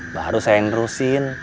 baru saya yang meneruskan